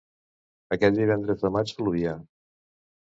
Aquell divendres de maig plovia.